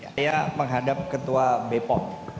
saya menghadap ketua bepom